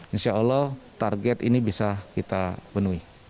insya allah target ini bisa kita penuhi